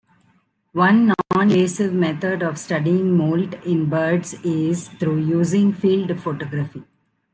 One non-invasive method of studying moult in birds is through using field photography.